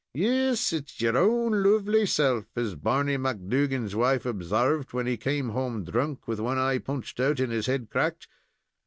"Yes, it's your own lovely self, as Barney McDougan's wife obsarved, when he came home drunk, with one eye punched out and his head cracked.